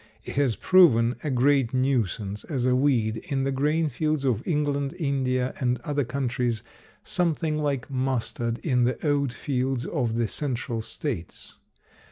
It has proven a great nuisance as a weed in the grain fields of England, India, and other countries something like mustard in the oat fields of the central states.